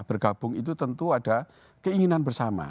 bergabung itu tentu ada keinginan bersama